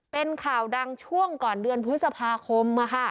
เป็นข่าวดังช่วงก่อนเดือนพฤษภาคม